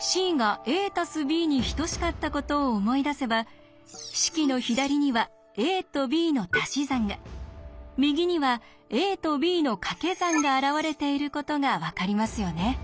ｃがａ＋ｂに等しかったことを思い出せば式の左にはａとｂのたし算が右にはａとｂのかけ算が現れていることが分かりますよね。